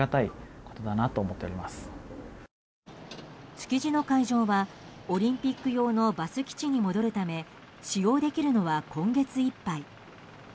築地の会場はオリンピック用のバス基地に戻るため使用できるのは今月いっぱい。